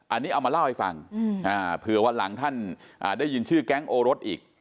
อันนี้เอามาเล่าให้ฟังเผื่อวันหลังท่านได้ยินชื่อแก๊งโอรสอีก